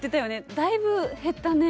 だいぶ減ったね。